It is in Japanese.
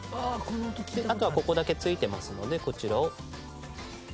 あとはここだけついてますのでこちらを切り落とす。